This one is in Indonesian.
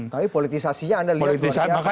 tapi politisasinya anda lihat luar biasa